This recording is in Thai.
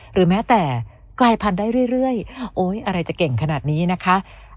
หรือแม้แต่กลายพันธุ์ได้เรื่อยโอ๊ยอะไรจะเก่งขนาดนี้นะคะ